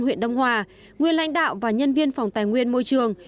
huyện đông hòa nguyên lãnh đạo và nhân viên phòng tài nguyên môi trường